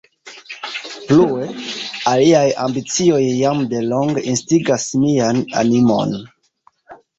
Plue, aliaj ambicioj jam de longe instigas mian animon.